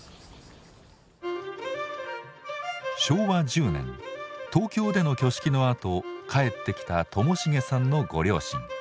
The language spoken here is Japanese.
昭和１０年東京での挙式のあと帰ってきた寛茂さんのご両親。